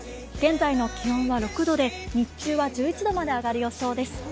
現在の気温は６度で日中は１１度まで上がる予想です。